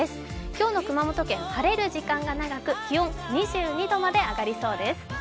今日の熊本県、晴れる時間が長く気温２２度まで上がりそうです。